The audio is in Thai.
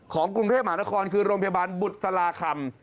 กรุงเทพมหานครคือโรงพยาบาลบุษลาคำ